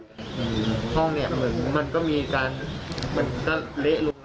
ห้องเนี่ยเหมือนมันก็มีการมันก็เละลง